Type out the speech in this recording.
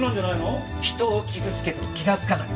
人を傷つけても気がつかない。